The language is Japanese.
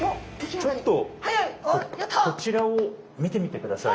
ちょっとこちらを見てみてください。